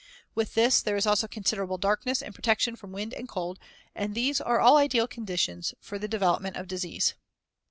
With this, there is also considerable darkness and protection from wind and cold, and these are all ideal conditions for the development of disease.